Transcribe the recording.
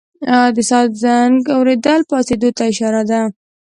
د ساعت زنګ اورېدل پاڅېدو ته اشاره ده.